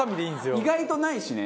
意外とないしね。